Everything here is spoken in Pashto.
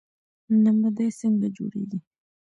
نمدې څنګه جوړیږي؟